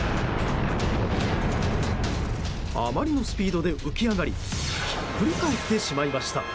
あまりのスピードで浮き上がりひっくり返ってしまいました。